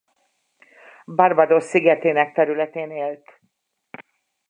Barbados szigetének területén élt.